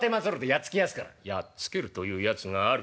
「『やっつける』というやつがあるか。